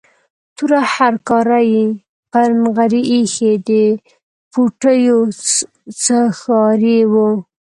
توره هرکاره یې پر نغري ایښې، د پوټیو څښاری و.